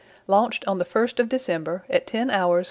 Launched on the 1st of December, at 10hrs.